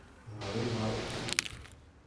D aɣrib a Ṛebbi.